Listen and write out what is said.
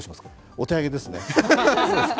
お手上げですね。